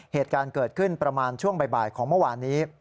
เหตุการณ์เกิดขึ้นประมาณช่วงบ่ายของเมื่อวานนี้